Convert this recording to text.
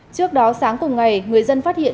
trước đó sáng cùng ngày người dân phát hiện